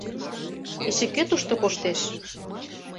Эше кӧ тушто коштеш?